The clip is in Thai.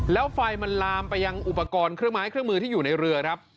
แล้วไฟมันลามไปยังอุปกรณ์เครื่องไม้เครื่องมือที่อยู่ในเรือครับ